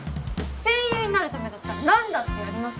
声優になるためだったら何だってやります